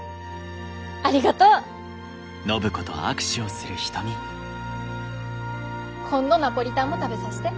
ありがとう！今度ナポリタンも食べさせて。